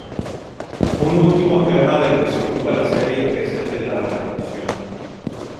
Un último tema del que se ocupa la serie es el de la redención.